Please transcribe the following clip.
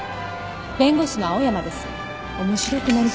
弁護士の青山です。